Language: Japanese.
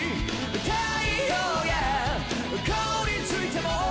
太陽が凍りついても